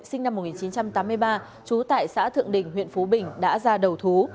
sinh năm một nghìn chín trăm tám mươi ba trú tại xã thượng đình huyện phú bình đã ra đầu thú